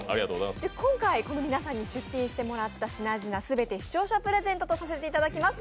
今回皆さんに出品してもらった品々、すべて視聴者プレゼントとさせていただきます。